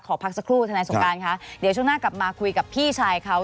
พักสักครู่ทนายสงการค่ะเดี๋ยวช่วงหน้ากลับมาคุยกับพี่ชายเขา